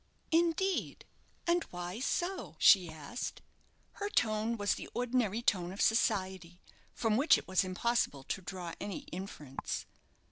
"Indeed; and why so?" she asked. Her tone was the ordinary tone of society, from which it was impossible to draw any inference.